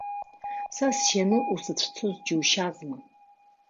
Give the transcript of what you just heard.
Са сжьаны усыцәцоз џьушьазма?